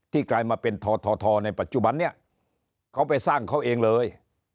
กลายมาเป็นททในปัจจุบันนี้เขาไปสร้างเขาเองเลย